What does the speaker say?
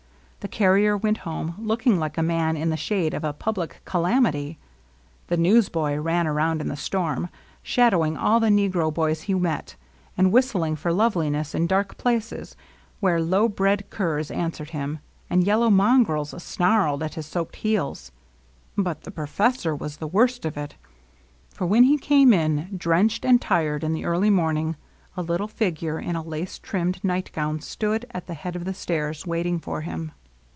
The carrier went home, looking like a man in the shade of a public calamity. The newsboy ran around in the storm, shadowing all the negro LOVELINESS. 17 boys he met, and whistling for Loveliness in dark places where low bred curs answered him, and yellow mongrels snarled at his soaked heels. But the pro fessor had the worst of it ; for when he came in, drenched and tired, in the early morning, a little figure in a lace trimmed nightgown stood at the head of the stairs, waiting for him.